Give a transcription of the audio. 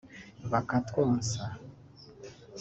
bakatwonsa